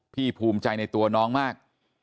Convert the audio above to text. ภูมิใจในตัวน้องมาก